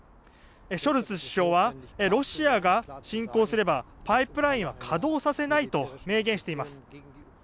ショルツ首相はロシアが侵攻すればパイプラインは稼働させないと明言しています。